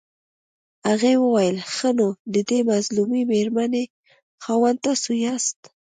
هغې وويل ښه نو ددې مظلومې مېرمنې خاوند تاسو ياست.